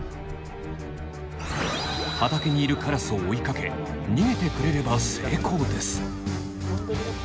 畑にいるカラスを追いかけ逃げてくれれば成功です。